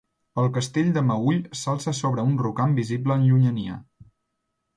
El castell de Meüll s'alça sobre un rocam visible en llunyania.